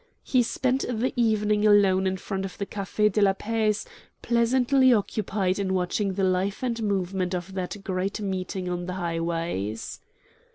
He spent the evening alone in front of the Cafe de la Paix, pleasantly occupied in watching the life and movement of that great meeting of the highways.